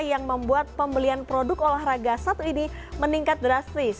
yang membuat pembelian produk olahraga satu ini meningkat drastis